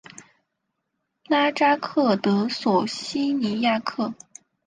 拉扎克德索西尼亚克。